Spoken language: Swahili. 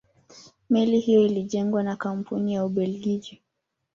meli hiyo ilijengwa na kampuni ya ubelgiji